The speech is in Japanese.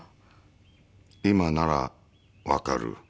今なら分かる？